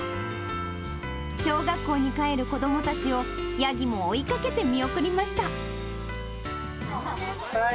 小学校に帰る子どもたちをヤギも追いかけて見送りました。